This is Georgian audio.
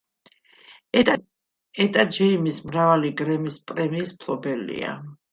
ეტა ჯეიმის მრავალი გრემის პრემიის მფლობელია.